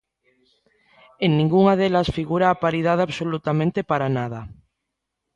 En ningunha delas figura a paridade absolutamente para nada.